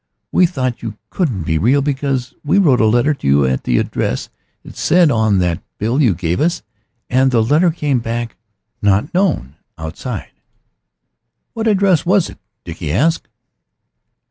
We thought you couldn't be real because we wrote a letter to you at the address it said on that bill you gave us. And the letter came back with 'not known' outside." "What address was it?" Dickie asked.